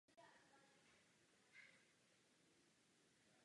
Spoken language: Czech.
Následovalo omezení oceli.